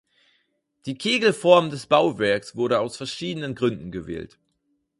Die Kegelform des Bauwerks wurde aus verschiedenen Gründen gewählt.